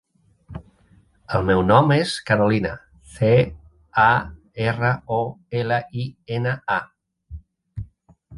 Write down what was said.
El meu nom és Carolina: ce, a, erra, o, ela, i, ena, a.